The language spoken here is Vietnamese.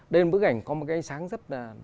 lên bức ảnh có một cái ánh sáng rất là